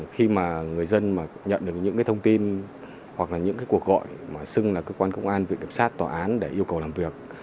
khi mà người dân mà nhận được những cái thông tin hoặc là những cái cuộc gọi mà xưng là cơ quan công an viện kiểm sát tòa án để yêu cầu làm việc